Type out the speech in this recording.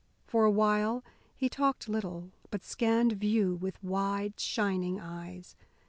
For a while he talked little, but scanned view with wide, shining eyes.